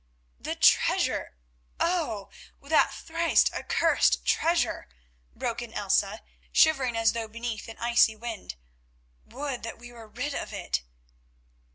"The treasure! Oh! that thrice accursed treasure!" broke in Elsa, shivering as though beneath an icy wind; "would that we were rid of it."